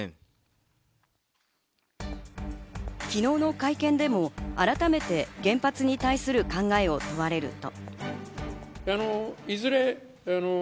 昨日の会見でも、改めて原発に対する考えを問われると。